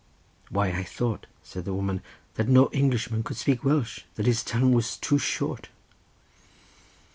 "Why I thought," said the woman, "that no Englishman could speak Welsh, that his tongue was too short."